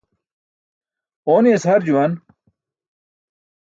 Ooni̇yas har juwan.